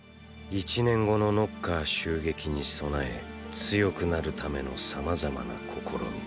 １年後のノッカー襲撃に備え強くなるためのさまざまな試み。